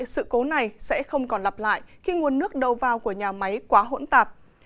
sự cố này sẽ không còn lặp lại khi nguồn nước đầu vào của nhà máy quá hỗn tạp